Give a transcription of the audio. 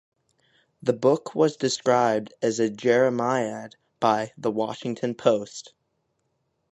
The book was described as a jeremiad by "The Washington Post".